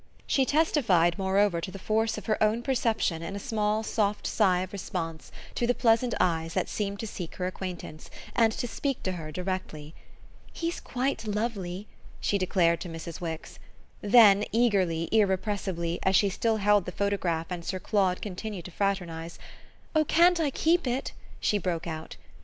She testified moreover to the force of her own perception in a small soft sigh of response to the pleasant eyes that seemed to seek her acquaintance, to speak to her directly. "He's quite lovely!" she declared to Mrs. Wix. Then eagerly, irrepressibly, as she still held the photograph and Sir Claude continued to fraternise, "Oh can't I keep it?" she broke out.